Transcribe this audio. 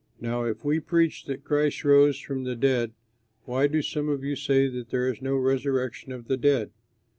Now if we preach that Christ rose from the dead, why do some of you say that there is no resurrection of the dead?